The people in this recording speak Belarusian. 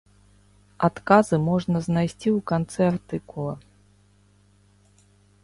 Адказы можна знайсці ў канцы артыкула.